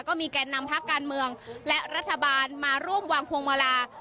แก่นนำพักการเมืองและรัฐบาลมาร่วมวางพวงมาลา